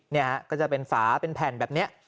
เนี่ยฮะก็จะเป็นฝาเป็นแผ่นแบบนี้